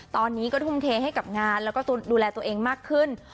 ตอนนี้ก็ทุ่มเทให้กับงานแล้วก็ดูแลตัวเองมากขึ้น